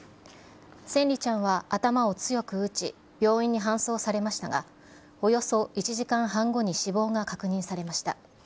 千椋ちゃんは頭を強く打ち、病院に搬送されましたが、およそ１時間半後に死亡が確認されました。